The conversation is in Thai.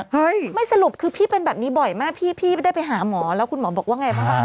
ไม่สรุปคือพี่เป็นแบบนี้บ่อยมากพี่พี่ได้ไปหาหมอแล้วคุณหมอบอกว่าไงบ้าง